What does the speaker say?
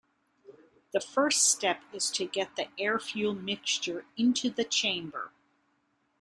The first step is to get the air-fuel mixture into the chamber.